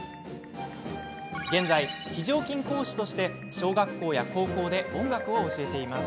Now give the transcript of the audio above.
現在、非常勤講師として小学校や高校で音楽を教えています。